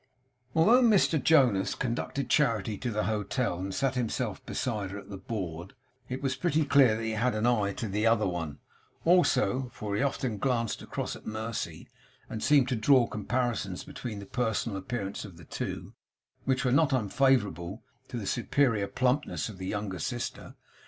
Although Mr Jonas conducted Charity to the hotel and sat himself beside her at the board, it was pretty clear that he had an eye to 'the other one' also, for he often glanced across at Mercy, and seemed to draw comparisons between the personal appearance of the two, which were not unfavourable to the superior plumpness of the younger sister.